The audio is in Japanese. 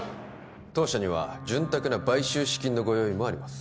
当社には潤沢な買収資金のご用意もあります